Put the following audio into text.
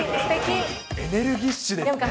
エネルギッシュですね。